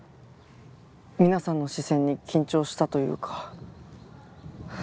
皆さんの視線に緊張したというか何と言うか。